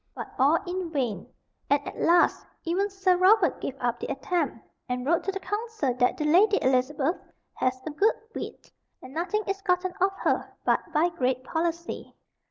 But all in vain; and at last even Sir Robert gave up the attempt, and wrote to the council that "the Lady Elizabeth hath a good wit, and nothing is gotten of her but by great policy."